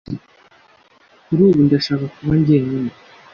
Kuri ubu, ndashaka kuba njyenyine.